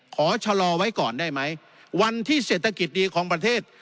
ขอชะลอไว้ก่อนได้ไหมวันที่เศรษฐกิจดีของประเทศ